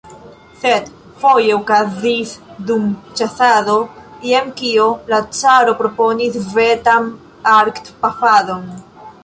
Sed foje okazis dum ĉasado jen kio: la caro proponis vetan arkpafadon.